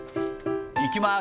いきます。